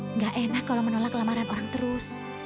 nggak enak kalau menolak lamaran orang terus